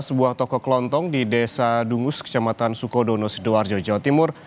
sebuah toko kelontong di desa dungus kecamatan sukodono sidoarjo jawa timur